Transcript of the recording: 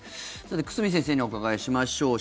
久住先生にお伺いしましょう。